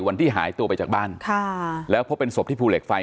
วันที่หายตัวไปจากบ้านค่ะแล้วพบเป็นศพที่ภูเหล็กไฟ